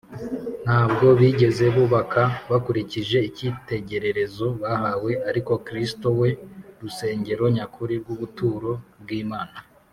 . Ntabwo bigeze bubaka bakurikije icyitegererezo bahawe, ariko Kristo, we rusengero nyakuri rw’ubuturo bw’Imana,